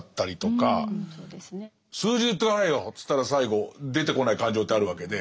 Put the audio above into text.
「数字で言って下さいよ」って言ったら最後出てこない感情ってあるわけで。